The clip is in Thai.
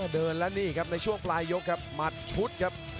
เดินและใช่ในช่วงปลายกรุ่นหมัดชุด